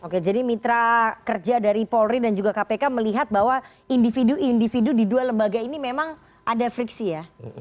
oke jadi mitra kerja dari polri dan juga kpk melihat bahwa individu individu di dua lembaga ini memang ada friksi ya